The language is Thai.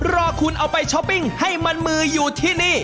รอคุณเอาไปช้อปปิ้งให้มันมืออยู่ที่นี่